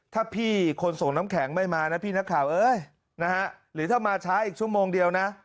ถ้าพี่คนส่งน้ำแข็งไม่มานะพี่นักข่าวเอ้ยนะฮะหรือถ้ามาช้าอีกชั่วโมงเดียวนะ